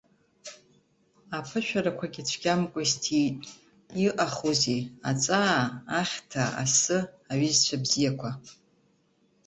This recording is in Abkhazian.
Аԥышәарақәагьы цәгьамкәа исҭиит, иҟахузеи, аҵаа, ахьҭа, асы, аҩызцәа бзиақәа.